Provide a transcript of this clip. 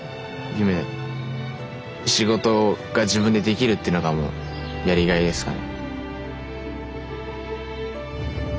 仕事が自分でできるっていうのがもうやりがいですかね。